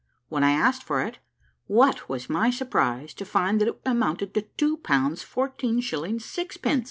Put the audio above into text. When I asked for it, what was my surprise to find that it amounted to 2 pounds 14 shillings, 6 pence.